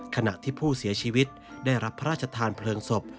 ขณะที่ผู้เสียชีวิตได้รับพระราชทานเพลิงศพ